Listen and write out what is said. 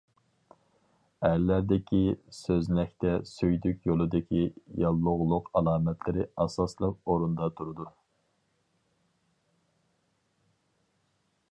ئەرلەردىكى سۆزنەكتە سۈيدۈك يولىدىكى ياللۇغلۇق ئالامەتلىرى ئاساسلىق ئورۇندا تۇرىدۇ.